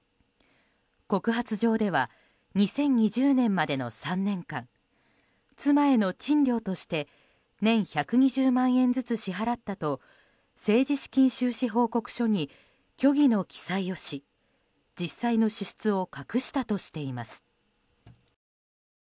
告発状では２０２０年までの３年間妻への賃料として年１２０万円ずつ支払ったと政治資金収支報告書に虚偽の記載をし、実際の支出を隠したとしています。